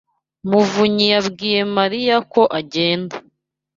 muvunyi yabwiye Mariya ko agenda.